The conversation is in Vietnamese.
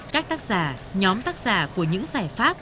các tác giả nhóm tác giả của những giải pháp